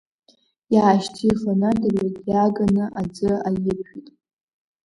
Иаашьҭихын адырҩагь иааганы аӡы аиржәит.